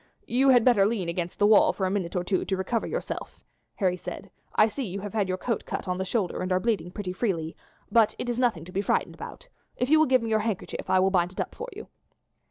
"You had better lean against the wall for a minute or two to recover yourself," Harry said. "I see you have your coat cut on the shoulder, and are bleeding pretty freely, but it is nothing to be frightened about. If you will give me your handkerchief I will bind it up for you."